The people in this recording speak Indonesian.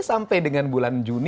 sampai dengan bulan juni